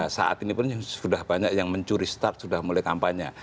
saat ini pun sudah banyak yang mencuri start sudah mulai kampanye